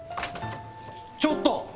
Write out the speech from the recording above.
ちょっと！